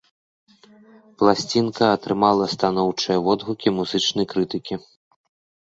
Пласцінка атрымала станоўчыя водгукі музычнай крытыкі.